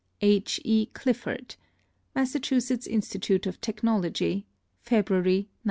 H. E. CLIFFORD. MASSACHUSETTS INSTITUTE OF TECHNOLOGY, February, 1905.